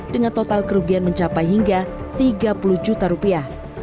dengan total kerugian mencapai hingga tiga puluh juta rupiah